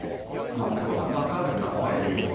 全く分からないですね。